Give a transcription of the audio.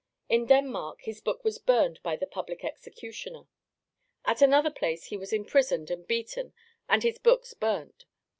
In Denmark his book was burned by the public executioner. At another place he was imprisoned and beaten and his books burned.